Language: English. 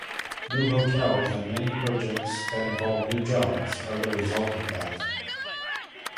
New hotels, and many projects that involve new jobs, are the result of that.